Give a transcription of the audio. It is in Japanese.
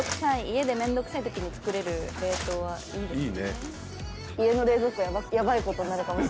家でめんどくさいときに作れる冷凍はいいですね。